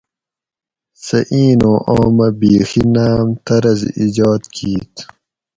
سہ اینوں آمہ بیخی ناۤم طرز ایجاد کیت